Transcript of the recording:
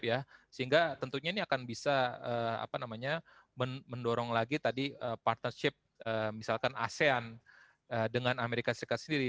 sehingga tentunya ini akan bisa mendorong lagi tadi partnership misalkan asean dengan amerika serikat sendiri